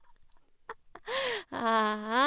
ああ。